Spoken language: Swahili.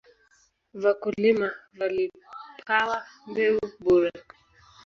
Vakulima valipawa mbeu buree